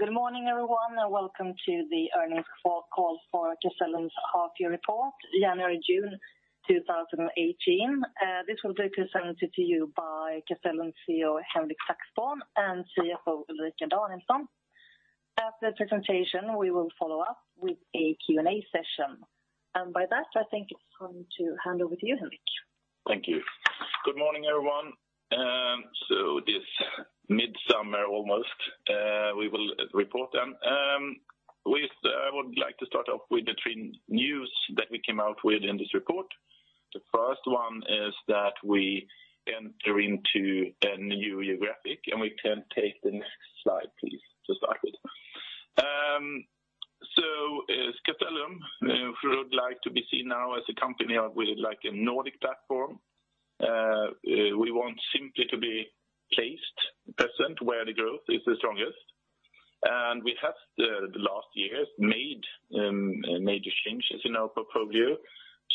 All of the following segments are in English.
Good morning, everyone, and welcome to the earnings call for Castellum's half-year report, January-June 2018. This will be presented to you by Castellum CEO Henrik Saxborn and CFO Ulrika Danielsson. After the presentation, we will follow up with a Q&A session. By that, I think it's time to hand over to you, Henrik. Thank you. Good morning, everyone. So this midsummer, almost, we will report then. I would like to start off with the three news that we came out with in this report. The first one is that we enter into a new geography, and we can take the next slide, please, to start with. So Castellum would like to be seen now as a company with a Nordic platform. We want simply to be present where the growth is the strongest. And we have, the last years, made major changes in our portfolio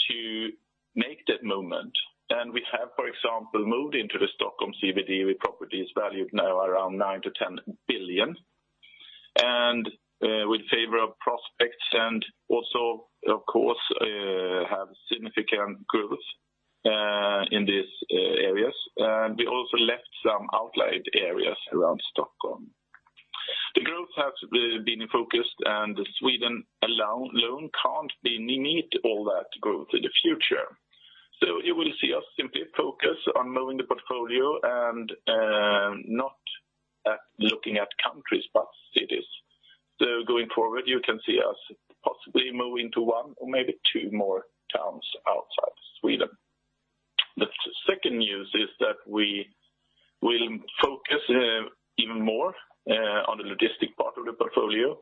to make that move. And we have, for example, moved into the Stockholm CBD with properties valued now around 9 billion-10 billion, and with favorable prospects and also, of course, have significant growth in these areas. And we also left some outlying areas around Stockholm. The growth has been focused, and Sweden alone can't meet all that growth in the future. So you will see us simply focus on moving the portfolio and not looking at countries but cities. So going forward, you can see us possibly moving to one or maybe two more towns outside Sweden. The second news is that we will focus even more on the logistics part of the portfolio.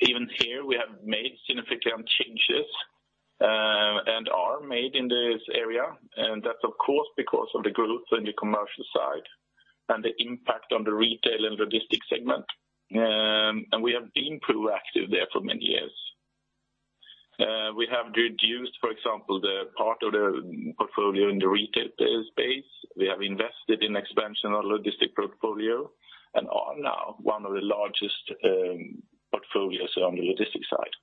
Even here, we have made significant changes and are made in this area, and that's, of course, because of the growth in the commercial side and the impact on the retail and logistics segment. And we have been proactive there for many years. We have reduced, for example, the part of the portfolio in the retail space. We have invested in expansion of the logistics portfolio and are now one of the largest portfolios on the logistics side.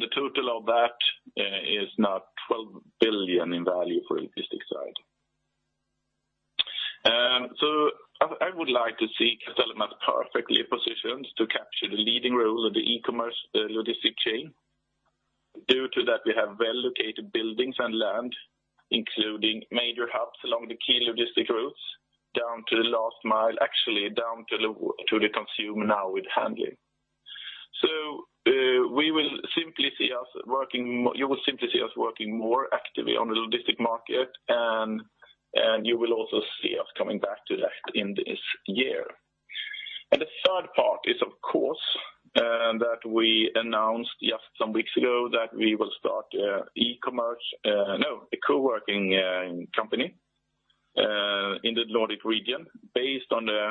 The total of that is now 12 billion in value for the logistics side. So I would like to see Castellum as perfectly positioned to capture the leading role of the e-commerce logistics chain. Due to that, we have well-located buildings and land, including major hubs along the key logistics routes down to the last mile actually, down to the consumer now with handling. So you will simply see us working more actively on the logistics market, and you will also see us coming back to that in this year. And the third part is, of course, that we announced just some weeks ago that we will start e-commerce no, a coworking company in the Nordic region based on the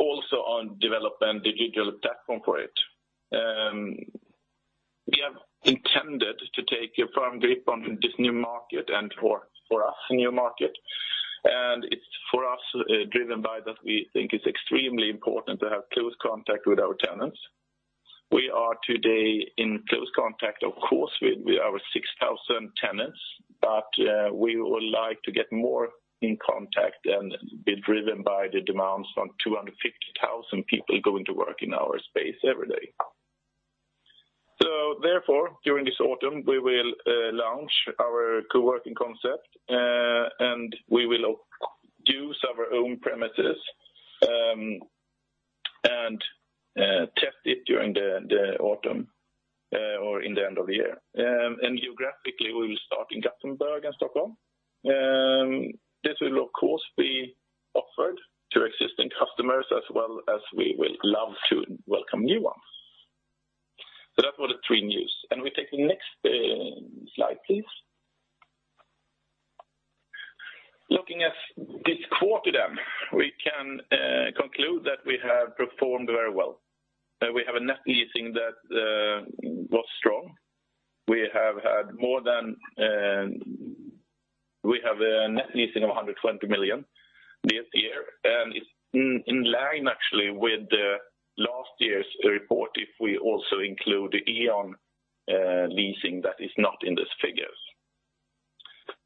also on developing a digital platform for it. We have intended to take a firm grip on this new market and for us, a new market. It's for us driven by that we think it's extremely important to have close contact with our tenants. We are today in close contact, of course, with our 6,000 tenants, but we would like to get more in contact and be driven by the demands from 250,000 people going to work in our space every day. So therefore, during this autumn, we will launch our coworking concept, and we will use our own premises and test it during the autumn or in the end of the year. Geographically, we will start in Gothenburg and Stockholm. This will, of course, be offered to existing customers, as well as we will love to welcome new ones. So that's what the three news and we take the next slide, please. Looking at this quarter then, we can conclude that we have performed very well. We have a net leasing that was strong. We have had more than we have a net leasing of 120 million this year, and it's in line, actually, with last year's report if we also include the E.ON leasing that is not in these figures.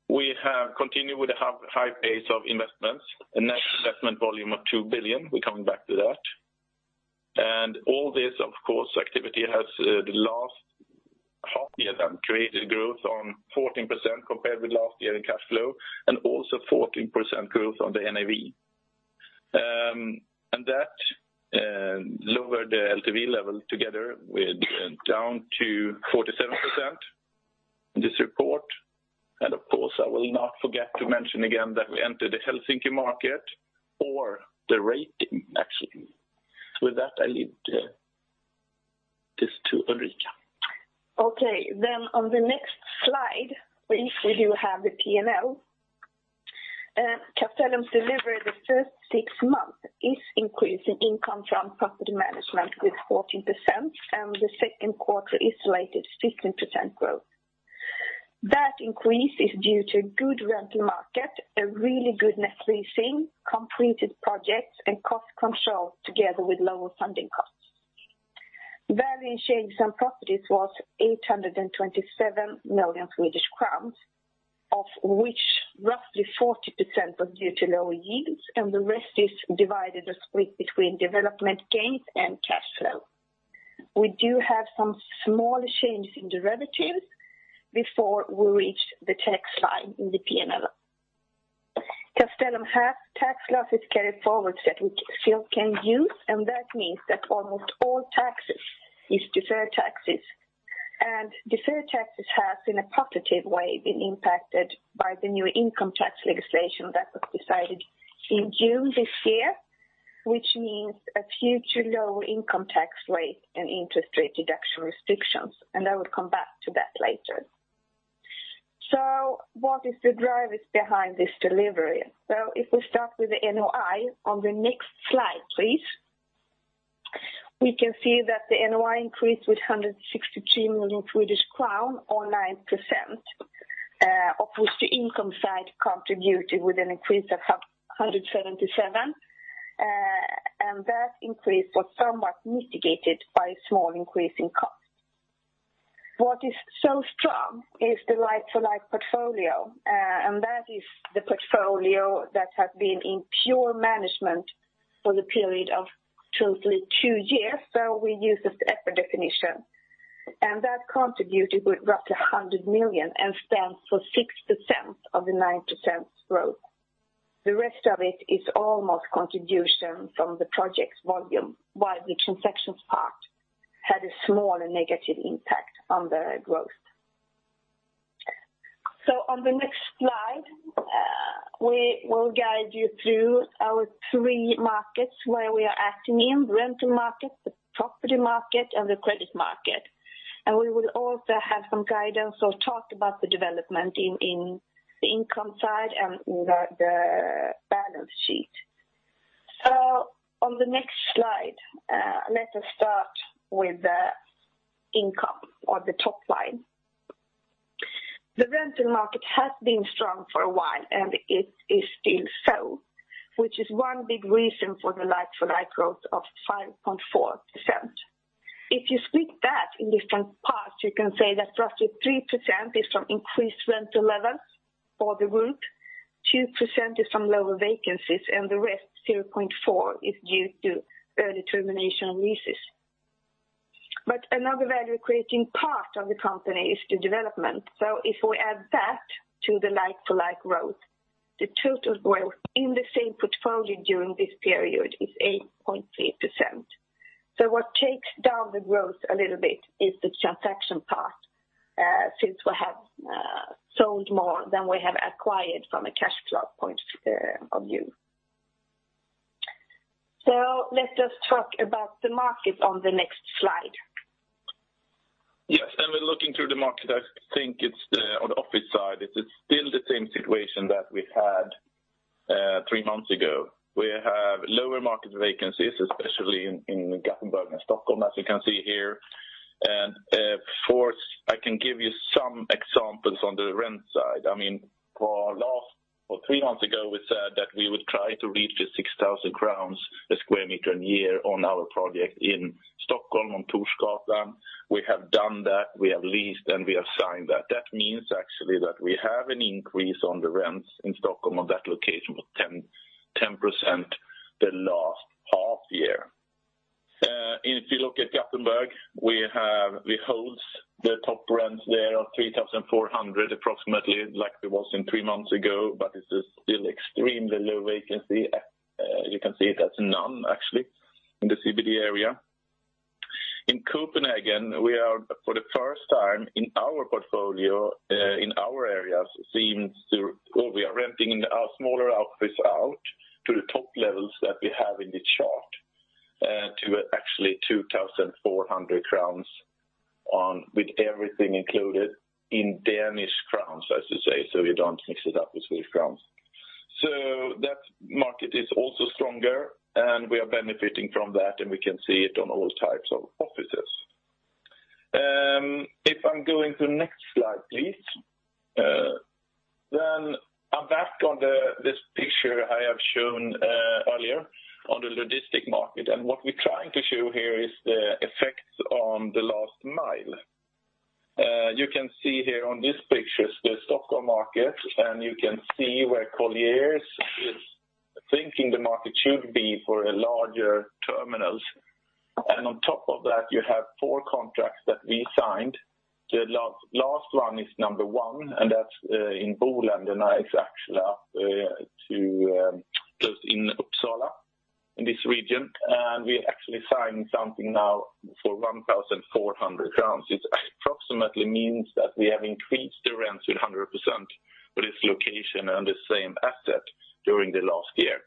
We continue with a high pace of investments, a net investment volume of 2 billion. We're coming back to that. All this, of course, activity has the last half-year then created growth on 14% compared with last year in cash flow and also 14% growth on the NAV. That lowered the LTV level together with down to 47% in this report. Of course, I will not forget to mention again that we entered the Helsinki market and the rating, actually. With that, I leave this to Ulrika. Okay. Then on the next slide, please, we do have the P&L. Castellum's delivery the first six months is increasing income from property management with 14%, and the second quarter isolated 15% growth. That increase is due to a good rental market, a really good net leasing, completed projects, and cost control together with lower funding costs. Value in shares and properties was 827 million Swedish crowns, of which roughly 40% was due to lower yields, and the rest is divided or split between development gains and cash flow. We do have some smaller changes in derivatives before we reach the tax line in the P&L. Castellum has tax losses carried forward that we still can use, and that means that almost all taxes is deferred taxes. Deferred taxes has, in a positive way, been impacted by the new income tax legislation that was decided in June this year, which means a future lower income tax rate and interest rate deduction restrictions. And I will come back to that later. So what is the drivers behind this delivery? So if we start with the NOI on the next slide, please, we can see that the NOI increased with 163 million Swedish crown or 9%, of which the income side contributed with an increase of 177 million. And that increase was somewhat mitigated by a small increase in cost. What is so strong is the like-for-like portfolio, and that is the portfolio that has been in our management for the period of, truthfully, two years. So we use this EPRA definition, and that contributed with roughly 100 million and stands for 6% of the 9% growth. The rest of it is almost contribution from the project volume, while the transactions part had a smaller negative impact on the growth. So on the next slide, we will guide you through our three markets where we are acting in: the rental market, the property market, and the credit market. And we will also have some guidance or talk about the development in the income side and in the balance sheet. So on the next slide, let us start with the income or the top line. The rental market has been strong for a while, and it is still so, which is one big reason for the life-for-life growth of 5.4%. If you split that in different parts, you can say that roughly 3% is from increased rental levels for the group, 2% is from lower vacancies, and the rest, 0.4%, is due to early termination of leases. Another value-creating part of the company is the development. If we add that to the like-for-like growth, the total growth in the same portfolio during this period is 8.3%. What takes down the growth a little bit is the transaction part since we have sold more than we have acquired from a cash flow point of view. Let us talk about the market on the next slide. Yes. And we're looking through the market. I think it's on the office side. It's still the same situation that we had three months ago. We have lower market vacancies, especially in Gothenburg and Stockholm, as you can see here. And of course, I can give you some examples on the rent side. I mean, for three months ago, we said that we would try to reach 6,000 crowns per square meter a year on our project in Stockholm on Torsgatan. We have done that. We have leased, and we have signed that. That means, actually, that we have an increase on the rents in Stockholm on that location of 10% the last half-year. If you look at Gothenburg, we hold the top rents there of 3,400 approximately, like it was three months ago, but it's still extremely low vacancy. You can see it as none, actually, in the CBD area. In Copenhagen, we are, for the first time in our portfolio, in our areas, seem to or we are renting our smaller office out to the top levels that we have in this chart to actually 2,400 crowns with everything included in Danish crowns, as you say, so you don't mix it up with Swedish crowns. So that market is also stronger, and we are benefiting from that, and we can see it on all types of offices. If I'm going to the next slide, please, then I'm back on this picture I have shown earlier on the logistics market. And what we're trying to show here is the effects on the last mile. You can see here on these pictures the Stockholm market, and you can see where Colliers is thinking the market should be for larger terminals. On top of that, you have four contracts that we signed. The last one is number one, and that's in Boländerna, and that is actually up close in Uppsala in this region. We are actually signing something now for 1,400 crowns. It approximately means that we have increased the rents with 100% for this location and the same asset during the last year.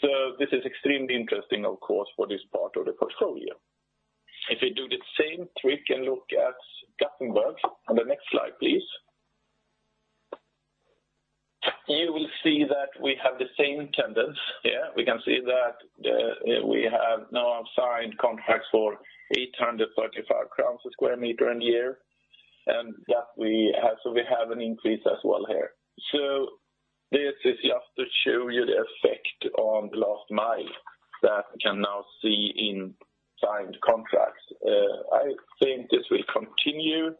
So this is extremely interesting, of course, for this part of the portfolio. If we do the same trick and look at Gothenburg on the next slide, please, you will see that we have the same tendency here. We can see that we have now signed contracts for 835 crowns per square meter a year, and that we have so we have an increase as well here. So this is just to show you the effect on the last mile that we can now see in signed contracts. I think this will continue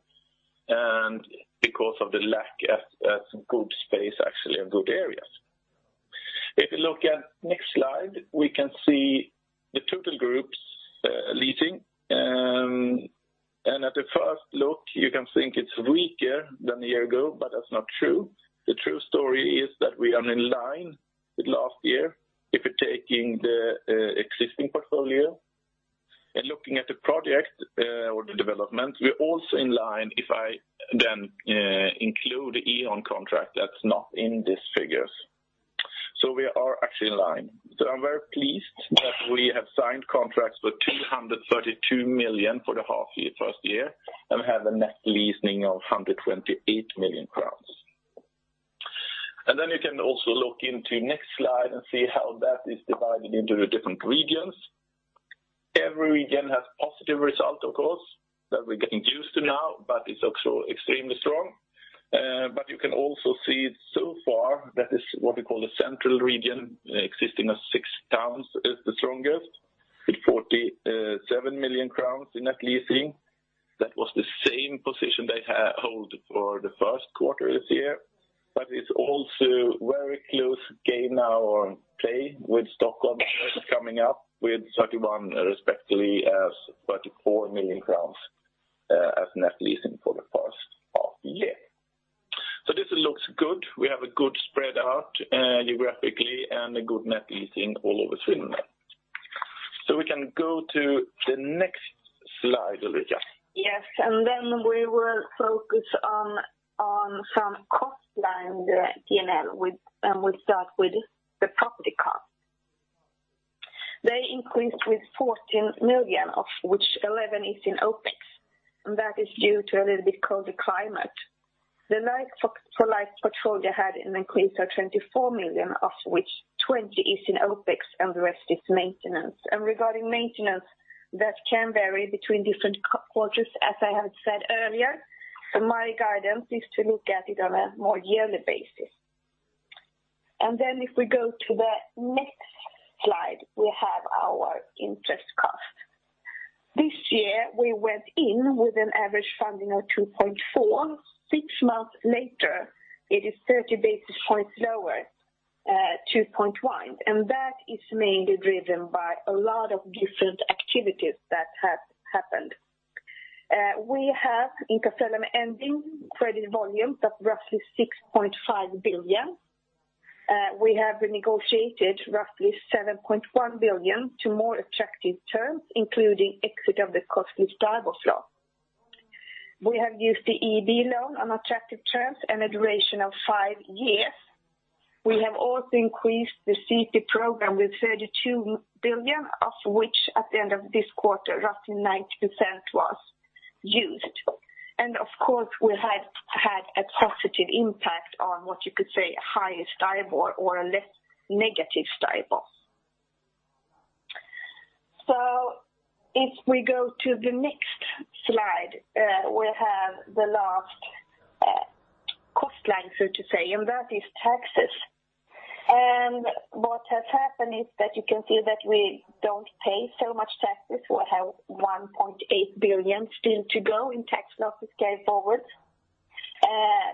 because of the lack of good space, actually, and good areas. If you look at the next slide, we can see the total groups leasing. At the first look, you can think it's weaker than a year ago, but that's not true. The true story is that we are in line with last year if we're taking the existing portfolio and looking at the project or the development. We're also in line if I then include the EON contract that's not in these figures. So we are actually in line. So I'm very pleased that we have signed contracts for 232 million for the first year and have a net leasing of 128 million crowns. Then you can also look into the next slide and see how that is divided into the different regions. Every region has positive results, of course, that we're getting used to now, but it's also extremely strong. But you can also see so far that it's what we call the central region, existing as six towns, is the strongest with 47 million crowns in net leasing. That was the same position they hold for the first quarter this year, but it's also very close game now or play with Stockholm coming up with 31, respectively, 34 million crowns as net leasing for the past half-year. So this looks good. We have a good spread out geographically and a good net leasing all over Sweden. So we can go to the next slide, Ulrika. Yes. Then we will focus on some cost line P&L, and we'll start with the property cost. They increased with 14 million, of which 11 is in OPEX, and that is due to a little bit colder climate. The life-for-life portfolio had an increase of 24 million, of which 20 is in OPEX, and the rest is maintenance. Regarding maintenance, that can vary between different quarters, as I had said earlier. So my guidance is to look at it on a more yearly basis. Then if we go to the next slide, we have our interest cost. This year, we went in with an average funding of 2.4. Six months later, it is 30 basis points lower, 2.1. And that is mainly driven by a lot of different activities that have happened. We have, in Castellum ending, credit volumes of roughly 6.5 billion. We have renegotiated roughly 7.1 billion to more attractive terms, including exit of the costly Stibor floor. We have used the EIB loan on attractive terms and a duration of five years. We have also increased the CP program with 32 billion, of which at the end of this quarter, roughly 90% was used. And of course, we had a positive impact on what you could say a higher Stibor or a less negative Stibor. So if we go to the next slide, we have the last cost line, so to say, and that is taxes. And what has happened is that you can see that we don't pay so much taxes. We have 1.8 billion still to go in tax losses carried forward.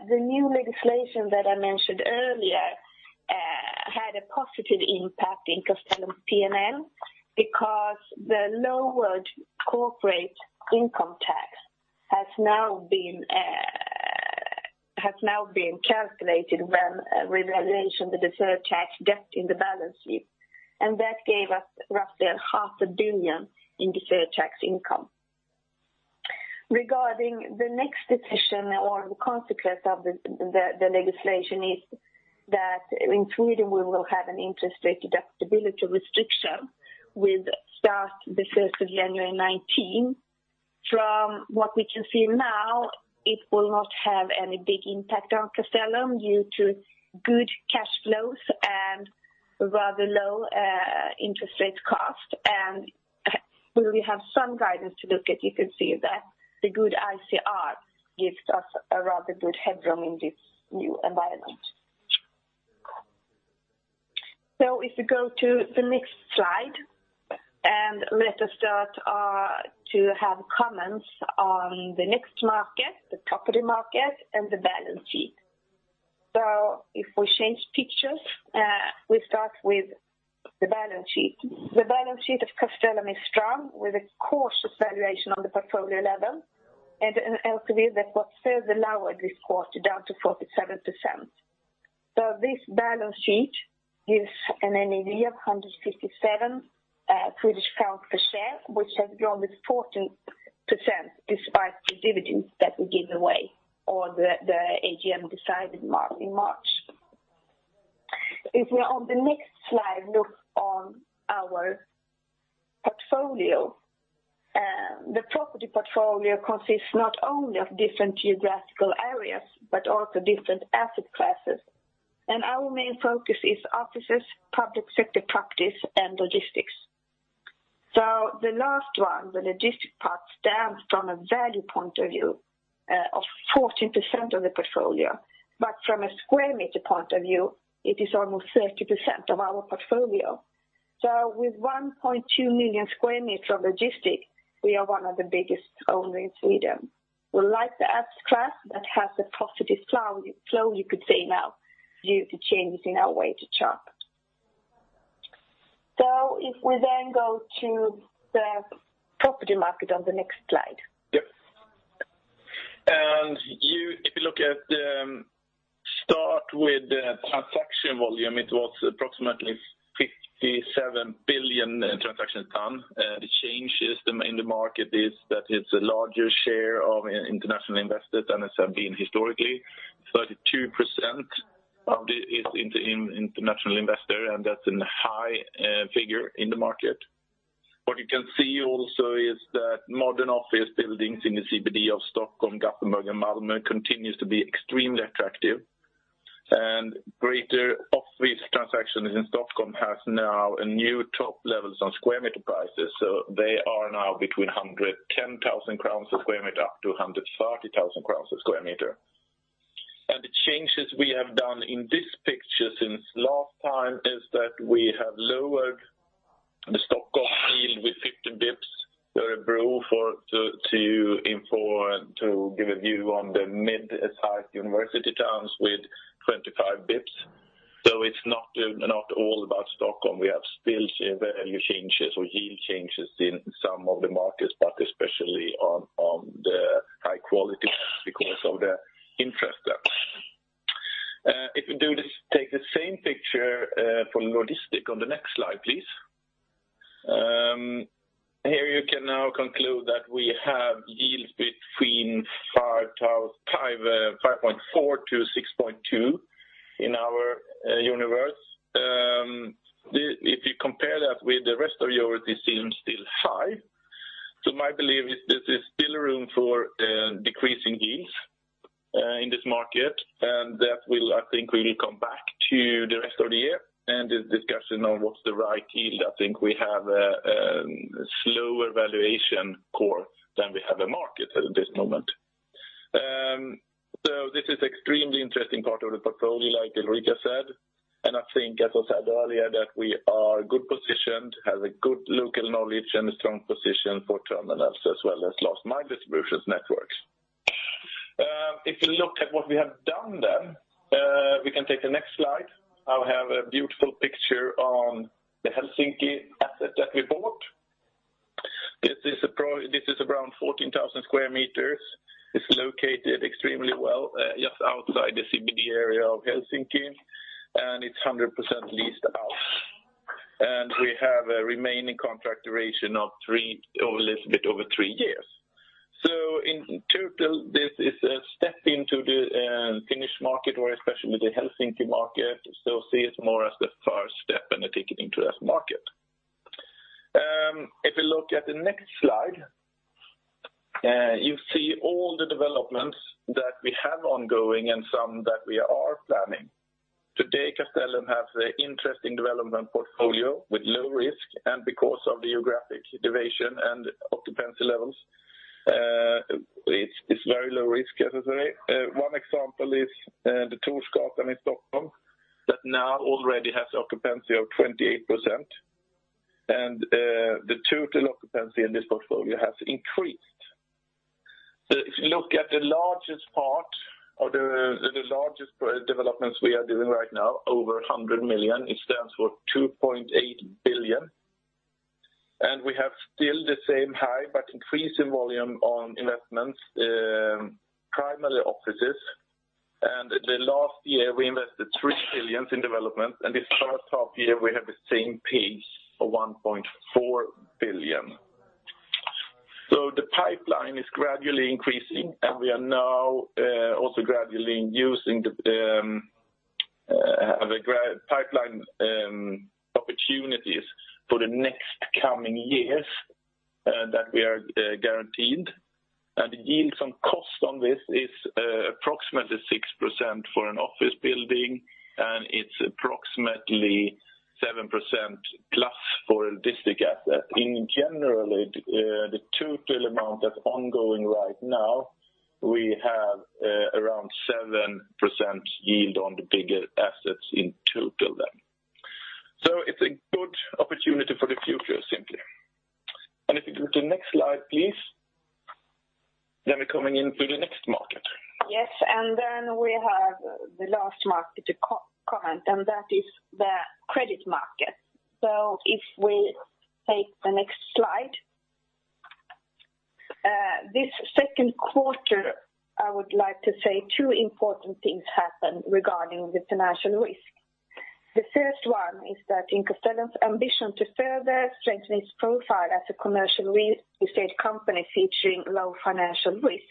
The new legislation that I mentioned earlier had a positive impact in Castellum's P&L because the lowered corporate income tax has now been calculated when revaluation of the deferred tax debt in the balance sheet, and that gave us roughly 500 million in deferred tax income. Regarding the next decision or the consequence of the legislation, is that in Sweden, we will have an interest rate deductibility restriction with start the 1st of January 2019. From what we can see now, it will not have any big impact on Castellum due to good cash flows and rather low interest rate cost. We have some guidance to look at. You can see that the good ICR gives us a rather good headroom in this new environment. So if we go to the next slide, and let us start to have comments on the next market, the property market, and the balance sheet. So if we change pictures, we start with the balance sheet. The balance sheet of Castellum is strong with a cautious valuation on the portfolio level and an LTV that was further lowered this quarter down to 47%. So this balance sheet gives an NAV of SEK 157 per share, which has grown with 14% despite the dividends that we give away or the AGM decided in March. If we on the next slide look on our portfolio, the property portfolio consists not only of different geographical areas but also different asset classes. And our main focus is offices, public sector properties, and logistics. So the last one, the logistics part, stands from a value point of view of 14% of the portfolio, but from a square meter point of view, it is almost 30% of our portfolio. So with 1.2 million square meters of logistics, we are one of the biggest owners in Sweden. We like the asset class that has a positive flow, you could say, now due to changes in our way to chart. So if we then go to the property market on the next slide. Yep. And if you look at the start with the transaction volume, it was approximately 57 billion transaction tonne. The changes in the market is that it's a larger share of international investors than it has been historically. 32% is international investors, and that's a high figure in the market. What you can see also is that modern office buildings in the CBD of Stockholm, Gothenburg, and Malmö continue to be extremely attractive. And greater office transactions in Stockholm have now a new top levels on square meter prices. So they are now between 110,000 crowns per square meter up to 130,000 crowns per square meter. And the changes we have done in this picture since last time is that we have lowered the Stockholm yield with 15 basis points or about to give a view on the mid-sized university towns with 25 basis points. So it's not all about Stockholm. We have still seen value changes or yield changes in some of the markets, but especially on the high quality because of the interest there. If we take the same picture for logistics on the next slide, please. Here, you can now conclude that we have yields between 5.4-6.2 in our universe. If you compare that with the rest of Europe, it seems still high. So my belief is there is still room for decreasing yields in this market, and that will, I think, come back to the rest of the year and the discussion on what's the right yield. I think we have a slower valuation curve than we have a market at this moment. So this is an extremely interesting part of the portfolio, like Ulrika said. I think, as I said earlier, that we are good positioned, have a good local knowledge, and a strong position for terminals as well as last-mile distributions networks. If you look at what we have done then, we can take the next slide. I have a beautiful picture on the Helsinki asset that we bought. This is around 14,000 sq m. It's located extremely well, just outside the CBD area of Helsinki, and it's 100% leased out. And we have a remaining contract duration of a little bit over three years. So in total, this is a step into the Finnish market or especially the Helsinki market. So see it more as the first step and a ticket into that market. If you look at the next slide, you see all the developments that we have ongoing and some that we are planning. Today, Castellum has an interesting development portfolio with low risk. Because of the geographic deviation and occupancy levels, it's very low risk, as I say. One example is the Torsgatan in Stockholm that now already has occupancy of 28%. The total occupancy in this portfolio has increased. If you look at the largest part of the largest developments we are doing right now, over 100 million, it stands for 2.8 billion. We have still the same high but increasing volume on investments, primarily offices. The last year, we invested 3 billion in developments. This first half-year, we have the same pace of 1.4 billion. The pipeline is gradually increasing, and we are now also gradually using pipeline opportunities for the next coming years that we are guaranteed. The yields on cost on this is approximately 6% for an office building, and it's approximately 7%+ for a district asset. In general, the total amount that's ongoing right now, we have around 7% yield on the bigger assets in total then. So it's a good opportunity for the future, simply. And if you go to the next slide, please, then we're coming into the next market. Yes. Then we have the last market to comment, and that is the credit market. If we take the next slide, this second quarter, I would like to say two important things happen regarding the financial risk. The first one is that in Castellum's ambition to further strengthen its profile as a commercial real estate company featuring low financial risk,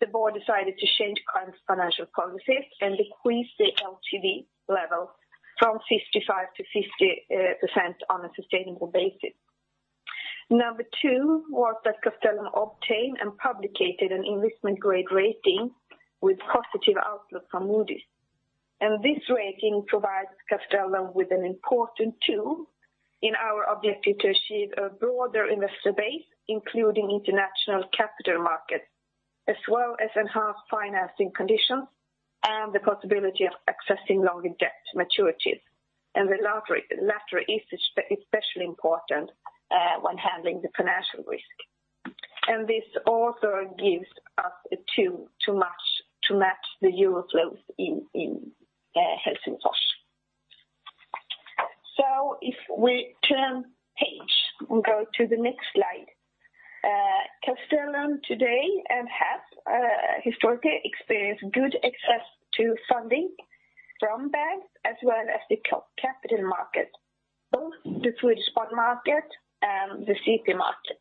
the board decided to change current financial policies and decrease the LTV level from 55% to 50% on a sustainable basis. Number two was that Castellum obtained and published an investment-grade rating with positive outlook from Moody's. This rating provides Castellum with an important tool in our objective to achieve a broader investor base, including international capital markets, as well as enhanced financing conditions and the possibility of accessing longer debt maturities. The latter is especially important when handling the financial risk. This also gives us a tool to match the euro flows in Helsinki. So if we turn page and go to the next slide, Castellum today has historically experienced good access to funding from banks as well as the capital market, both the Swedish bond market and the CP market.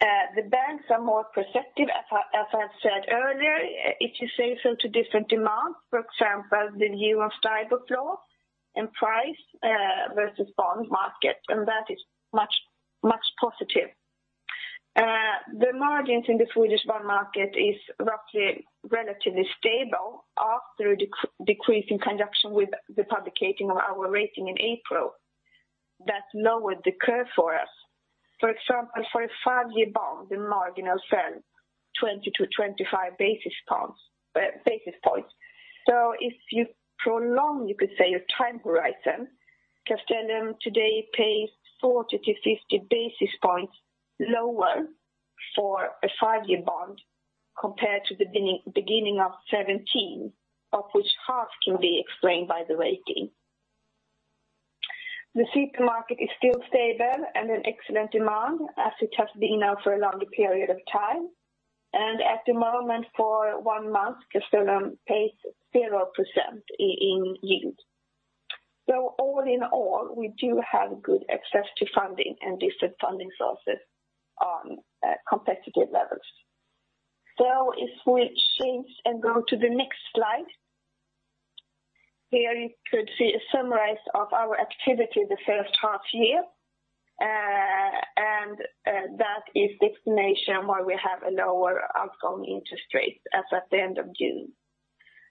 The banks are more protective, as I have said earlier, if you say so to different demands, for example, the euro Stibor floor and price versus bond market, and that is much positive. The margins in the Swedish bond market is roughly relatively stable after the decrease in conjunction with the publication of our rating in April that lowered the curve for us. For example, for a five-year bond, the margin fell 20-25 basis points. So if you prolong, you could say, your time horizon, Castellum today pays 40-50 basis points lower for a 5-year bond compared to the beginning of 2017, of which half can be explained by the rating. The CP market is still stable and in excellent demand as it has been now for a longer period of time. And at the moment, for one month, Castellum pays 0% in yield. So all in all, we do have good access to funding and different funding sources on competitive levels. So if we change and go to the next slide, here, you could see a summary of our activity the first half year. And that is the explanation why we have a lower outgoing interest rate as at the end of June.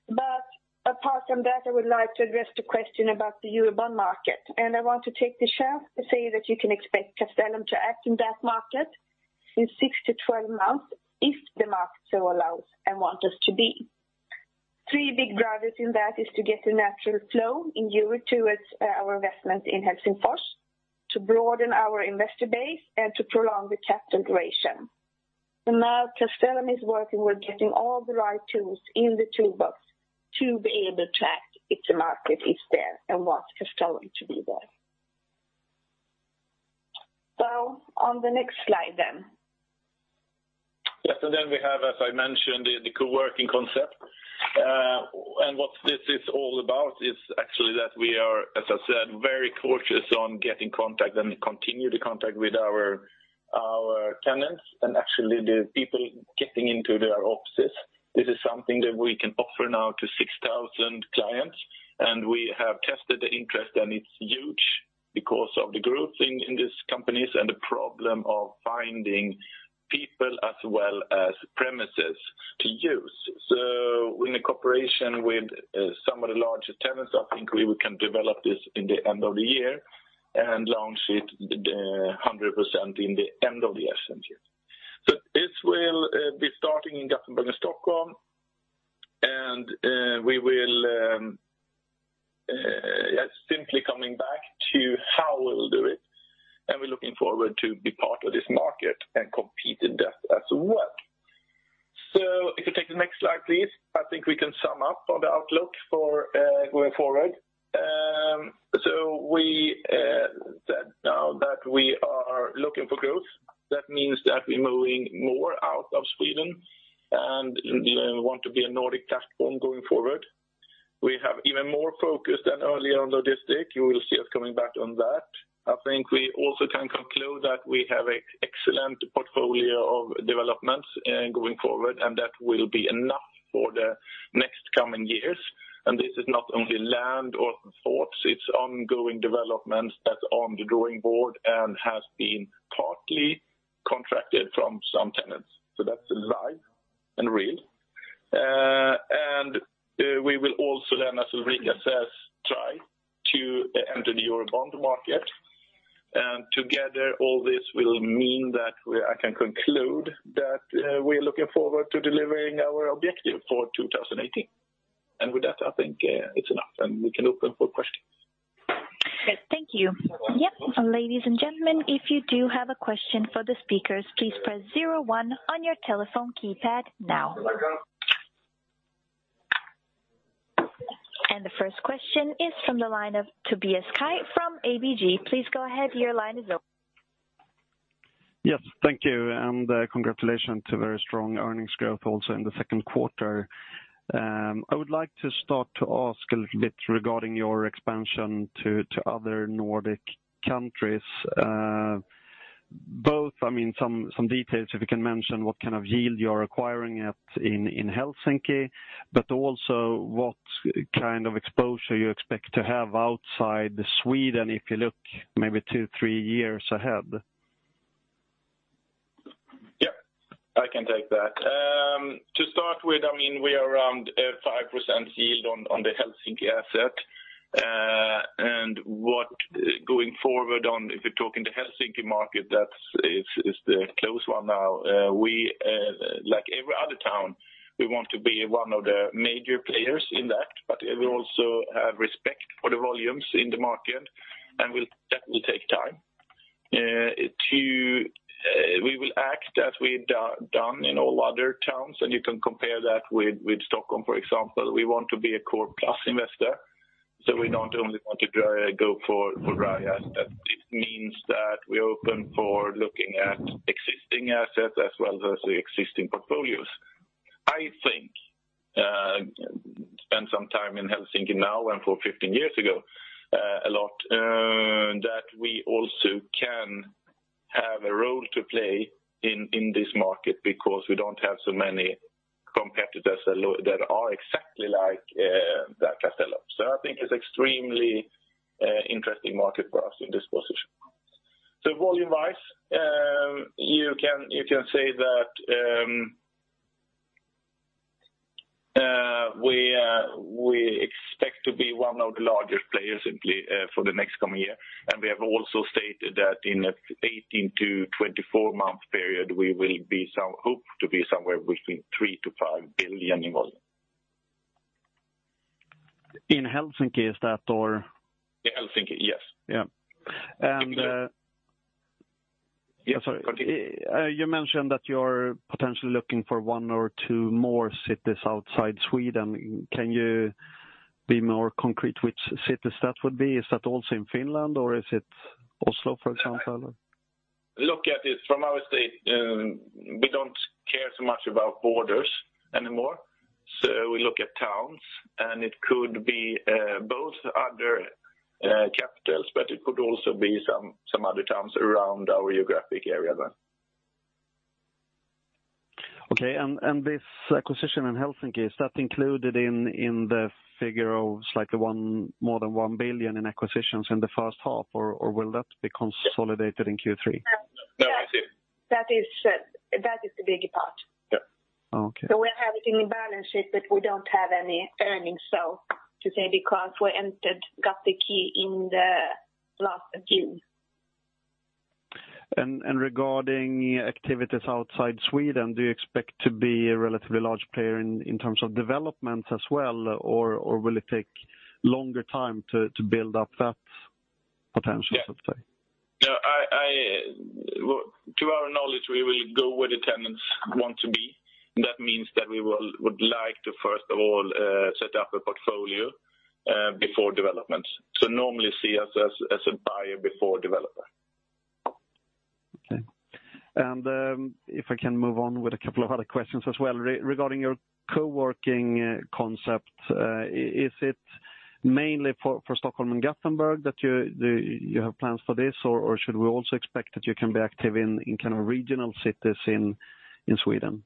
But apart from that, I would like to address the question about the euro bond market. I want to take the chance to say that you can expect Castellum to act in that market in 6-12 months if the market so allows and wants us to be. Three big drivers in that is to get a natural flow in euro towards our investments in Helsingfors, to broaden our investor base, and to prolong the capital duration. Now Castellum is working with getting all the right tools in the toolbox to be able to act if the market is there and wants Castellum to be there. On the next slide then. Yes. Then we have, as I mentioned, the coworking concept. And what this is all about is actually that we are, as I said, very cautious on getting contact and continue the contact with our tenants and actually the people getting into their offices. This is something that we can offer now to 6,000 clients. And we have tested the interest, and it's huge because of the growth in these companies and the problem of finding people as well as premises to use. So in a cooperation with some of the largest tenants, I think we can develop this in the end of the year and launch it 100% in the end of the SMG. So this will be starting in Gothenburg and Stockholm. And we will simply coming back to how we'll do it. And we're looking forward to be part of this market and compete in that as well. So if you take the next slide, please, I think we can sum up on the outlook going forward. So we said now that we are looking for growth. That means that we're moving more out of Sweden and want to be a Nordic platform going forward. We have even more focus than earlier on logistics. You will see us coming back on that. I think we also can conclude that we have an excellent portfolio of developments going forward, and that will be enough for the next coming years. And this is not only land or plots. It's ongoing developments that's on the drawing board and has been partly contracted from some tenants. So that's live and real. And we will also, then as Ulrika says, try to enter the Eurobond market. Together, all this will mean that I can conclude that we are looking forward to delivering our objective for 2018. With that, I think it's enough, and we can open for questions. Great. Thank you. Yep. Ladies and gentlemen, if you do have a question for the speakers, please press 01 on your telephone keypad now. The first question is from the line of Tobias Kaj from ABG. Please go ahead. Your line is open. Yes. Thank you. Congratulations to very strong earnings growth also in the second quarter. I would like to start to ask a little bit regarding your expansion to other Nordic countries. Both, I mean, some details if you can mention what kind of yield you are acquiring at in Helsinki, but also what kind of exposure you expect to have outside Sweden if you look maybe two, three years ahead. Yep. I can take that. To start with, I mean, we are around 5% yield on the Helsinki asset. And going forward on if you're talking the Helsinki market, that is the close one now. Like every other town, we want to be one of the major players in that. But we also have respect for the volumes in the market, and that will take time. We will act as we've done in all other towns. And you can compare that with Stockholm, for example. We want to be a core-plus investor. So we don't only want to go for rare assets. It means that we're open for looking at existing assets as well as the existing portfolios. I think, spend some time in Helsinki now and 15 years ago a lot, that we also can have a role to play in this market because we don't have so many competitors that are exactly like that Castellum. So I think it's an extremely interesting market for us in this position. So volume-wise, you can say that we expect to be one of the largest players simply for the next coming year. And we have also stated that in a 18-24-month period, we will hope to be somewhere between 3-5 billion in volume. In Helsinki, is that or? In Helsinki, yes. Yeah. And. Yes. I'm sorry. Continue. You mentioned that you're potentially looking for one or two more cities outside Sweden. Can you be more concrete which cities that would be? Is that also in Finland, or is it Oslo, for example, or? Look at it from our state, we don't care so much about borders anymore. So we look at towns. And it could be both other capitals, but it could also be some other towns around our geographic area then. Okay. And this acquisition in Helsinki, is that included in the figure of more than 1 billion in acquisitions in the first half, or will that be consolidated in Q3? No. That is the big part. So we'll have it in the balance sheet, but we don't have any earnings, so to say, because we got the key in the last June. Regarding activities outside Sweden, do you expect to be a relatively large player in terms of developments as well, or will it take longer time to build up that potential, so to say? No. To our knowledge, we will go where the tenants want to be. That means that we would like to, first of all, set up a portfolio before development. So normally, see us as a buyer before developer. Okay. If I can move on with a couple of other questions as well regarding your coworking concept, is it mainly for Stockholm and Gothenburg that you have plans for this, or should we also expect that you can be active in kind of regional cities in Sweden?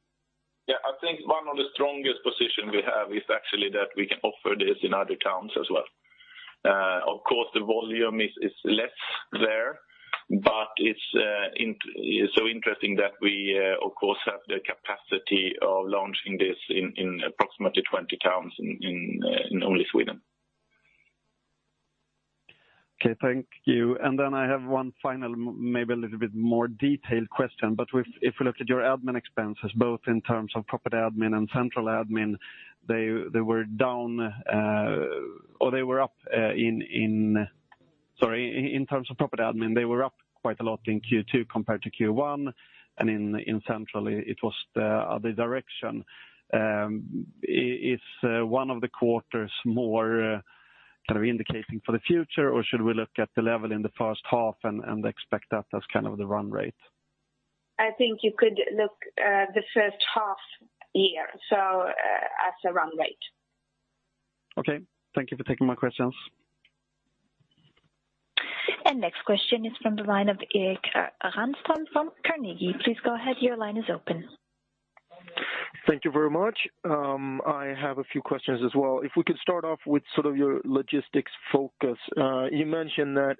Yeah. I think one of the strongest positions we have is actually that we can offer this in other towns as well. Of course, the volume is less there, but it's so interesting that we, of course, have the capacity of launching this in approximately 20 towns in only Sweden. Okay. Thank you. And then I have one final, maybe a little bit more detailed question. But if we look at your admin expenses, both in terms of property admin and central admin, they were down or they were up, sorry, in terms of property admin, they were up quite a lot in Q2 compared to Q1. And in central, it was the other direction. Is one of the quarters more kind of indicating for the future, or should we look at the level in the first half and expect that as kind of the run rate? I think you could look at the first half year as a run rate. Okay. Thank you for taking my questions. Next question is from the line of Erik Granström from Carnegie. Please go ahead. Your line is open. Thank you very much. I have a few questions as well. If we could start off with sort of your logistics focus, you mentioned that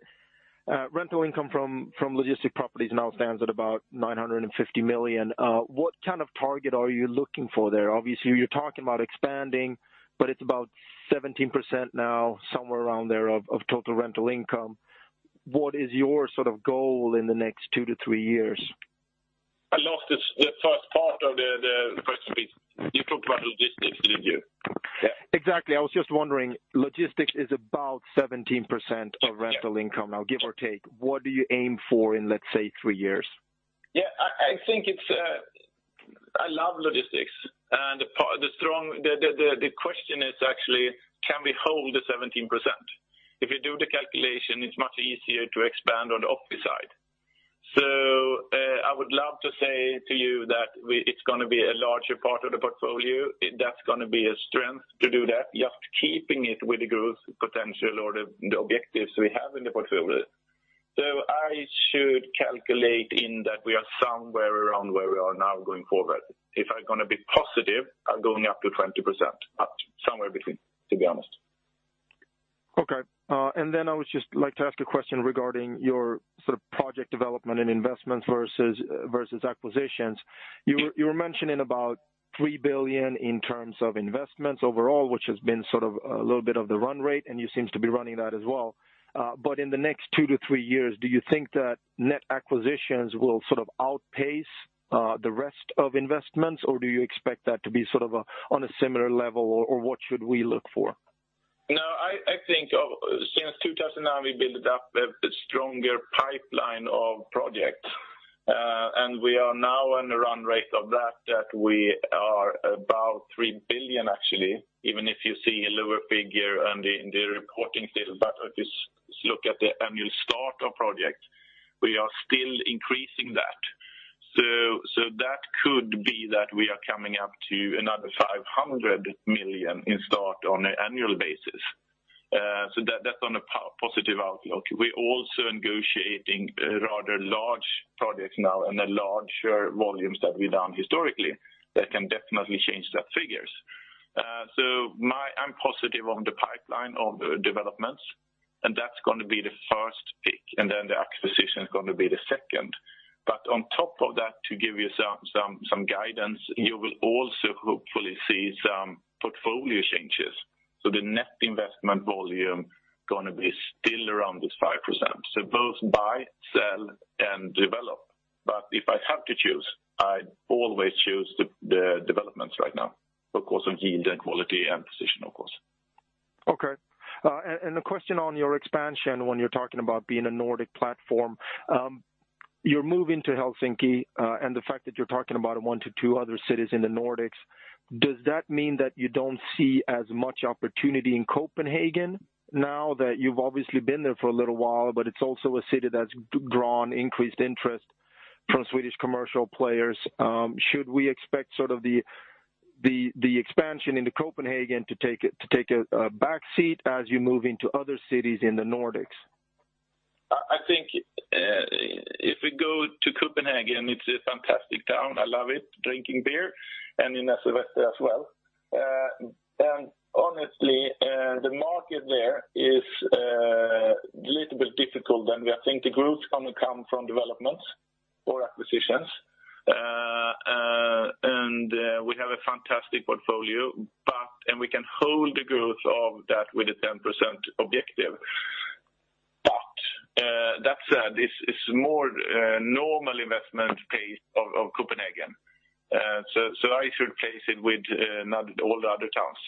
rental income from logistics properties now stands at about 950 million. What kind of target are you looking for there? Obviously, you're talking about expanding, but it's about 17% now, somewhere around there, of total rental income. What is your sort of goal in the next two to three years? I lost the first part of the question piece. You talked about logistics, didn't you? Yeah. Exactly. I was just wondering, logistics is about 17% of rental income, now give or take. What do you aim for in, let's say, three years? Yeah. I think it's I love logistics. And the question is actually, can we hold the 17%? If you do the calculation, it's much easier to expand on the office side. So I would love to say to you that it's going to be a larger part of the portfolio. That's going to be a strength to do that, just keeping it with the growth potential or the objectives we have in the portfolio. So I should calculate in that we are somewhere around where we are now going forward. If I'm going to be positive, I'm going up to 20%, but somewhere between, to be honest. Okay. And then I would just like to ask a question regarding your sort of project development and investments versus acquisitions. You were mentioning about 3 billion in terms of investments overall, which has been sort of a little bit of the run rate, and you seem to be running that as well. But in the next 2-3 years, do you think that net acquisitions will sort of outpace the rest of investments, or do you expect that to be sort of on a similar level, or what should we look for? No. I think since 2009, we built up a stronger pipeline of projects. We are now on a run rate of that that we are about 3 billion, actually, even if you see a lower figure in the reporting data. If you look at the annual start of projects, we are still increasing that. That could be that we are coming up to another 500 million in start on an annual basis. That's on a positive outlook. We're also negotiating rather large projects now and larger volumes that we've done historically. That can definitely change that figures. I'm positive on the pipeline of developments. That's going to be the first pick. Then the acquisition is going to be the second. On top of that, to give you some guidance, you will also hopefully see some portfolio changes. The net investment volume is going to be still around this 5%, so both buy, sell, and develop. But if I have to choose, I'd always choose the developments right now because of yield and quality and position, of course. Okay. A question on your expansion when you're talking about being a Nordic platform. You're moving to Helsinki, and the fact that you're talking about 1-2 other cities in the Nordics, does that mean that you don't see as much opportunity in Copenhagen now that you've obviously been there for a little while, but it's also a city that's drawn increased interest from Swedish commercial players? Should we expect sort of the expansion into Copenhagen to take a backseat as you move into other cities in the Nordics? I think if we go to Copenhagen, it's a fantastic town. I love it, drinking beer, and in Vesterbro as well. And honestly, the market there is a little bit difficult, and I think the growth is going to come from developments or acquisitions. And we have a fantastic portfolio, and we can hold the growth of that with a 10% objective. But that said, it's more normal investment pace of Copenhagen. So I should place it with all the other towns.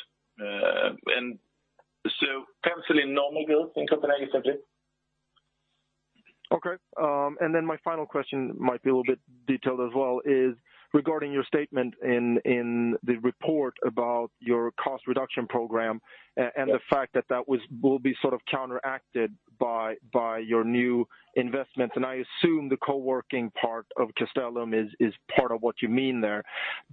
And so potentially normal growth in Copenhagen, simply. Okay. And then my final question might be a little bit detailed as well is regarding your statement in the report about your cost reduction program and the fact that that will be sort of counteracted by your new investments. And I assume the coworking part of Castellum is part of what you mean there.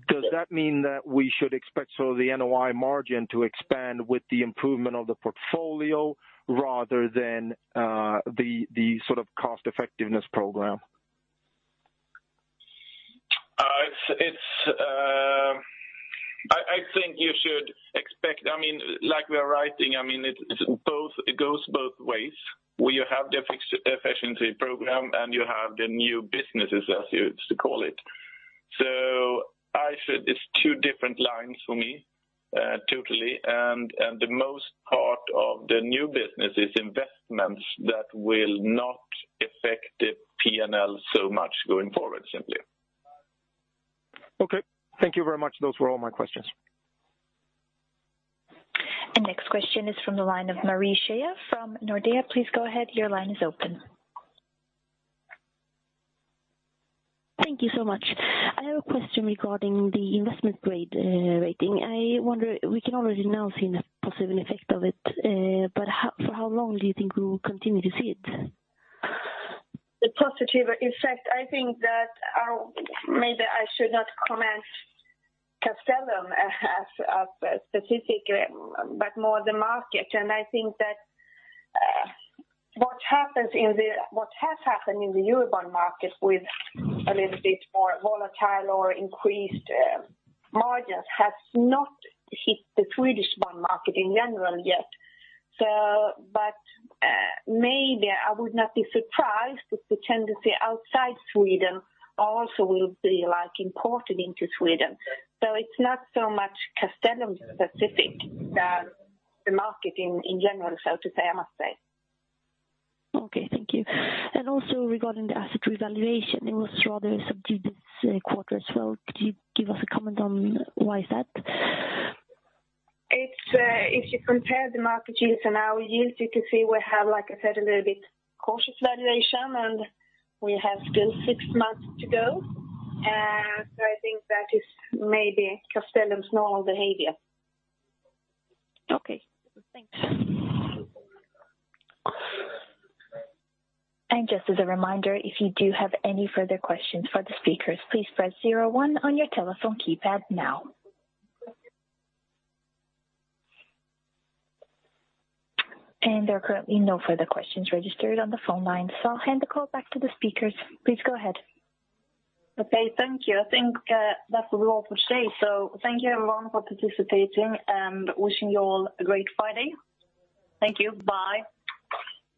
Does that mean that we should expect sort of the NOI margin to expand with the improvement of the portfolio rather than the sort of cost-effectiveness program? I think you should expect, I mean, like we are writing, I mean, it goes both ways. You have the efficiency program, and you have the new businesses, as you used to call it. So it's two different lines for me, totally. And the most part of the new business is investments that will not affect the P&L so much going forward, simply. Okay. Thank you very much. Those were all my questions. Next question is from the line of Marie Scheer from Nordea. Please go ahead. Your line is open. Thank you so much. I have a question regarding the Investment Grade rating. We can already now see a positive effect of it, but for how long do you think we will continue to see it? The positive effect, I think that maybe I should not comment Castellum as specific, but more the market. I think that what has happened in the Eurobond market with a little bit more volatile or increased margins has not hit the Swedish bond market in general yet. Maybe I would not be surprised if the tendency outside Sweden also will be imported into Sweden. It's not so much Castellum specific than the market in general, so to say, I must say. Okay. Thank you. Also regarding the asset revaluation, it was rather subdued this quarter as well. Could you give us a comment on why is that? If you compare the market yields and our yields, you can see we have, like I said, a little bit cautious valuation, and we have still six months to go. So I think that is maybe Castellum's normal behavior. Okay. Thanks. Just as a reminder, if you do have any further questions for the speakers, please press 01 on your telephone keypad now. There are currently no further questions registered on the phone line, so I'll hand the call back to the speakers. Please go ahead. Okay. Thank you. I think that's all for today. So thank you, everyone, for participating and wishing you all a great Friday. Thank you. Bye.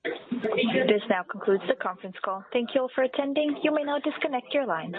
This now concludes the conference call. Thank you all for attending. You may now disconnect your lines.